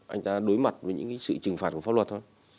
anh ta đối mặt với những cái sự trừng phạt của pháp luật thôi